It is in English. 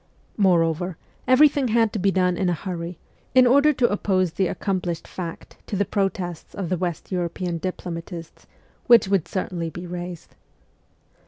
More over, everything had to be done in a hurry, in order to oppose the ' accomplished fact ' to the protests of the West European diplomatists, which would certainly be raised.